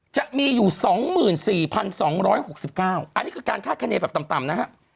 จะมีอยู่สองหมื่นสี่พันสองร้อยหกสิบเก้าอันนี้คือการคาดคณีย์แบบต่ำต่ำนะฮะ